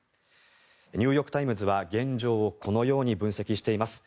ニューヨーク・タイムズは現状をこのように分析しています。